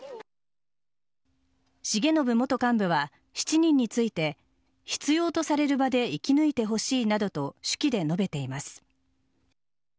重信元幹部は７人について必要とされる場で生き抜いてほしいなどと手記で述べています。